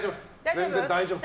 全然大丈夫。